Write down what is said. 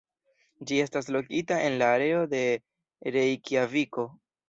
Ĝi estas lokita en la areo de Rejkjaviko.